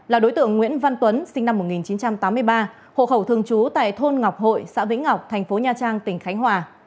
là đối tượng nguyễn văn tuấn sinh năm một nghìn chín trăm tám mươi ba hộ khẩu thường trú tại thôn ngọc hội xã vĩnh ngọc thành phố nha trang tỉnh khánh hòa